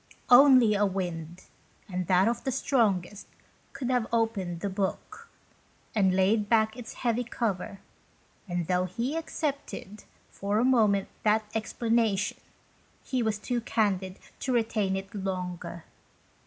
Only a wind, and that of the strongest, could have opened the book, and laid back its heavy cover; and though he accepted, for a brief moment, that explanation, he was too candid to retain it longer.